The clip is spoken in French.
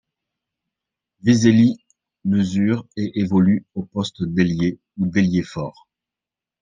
Veselý mesure et évolue au poste d'ailier ou d'ailier fort.